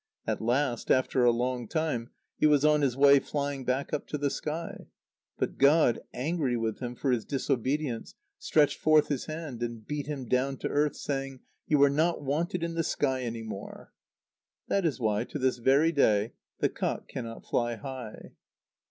At last, after a long time, he was on his way flying back up to the sky. But God, angry with him for his disobedience, stretched forth his hand, and beat him down to earth, saying: "You are not wanted in the sky any more." That is why, to this very day, the cock cannot fly high.